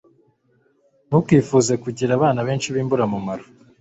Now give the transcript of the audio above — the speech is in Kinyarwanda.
ntukifuze kugira abana benshi b'imburamumaro